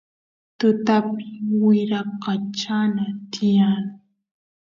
tutapi wyrakachanay tiyan